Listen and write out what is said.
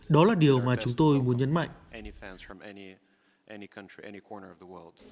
đó là điều mà chúng tôi muốn nhấn mạnh